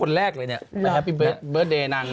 อยู่กับใครทั้ง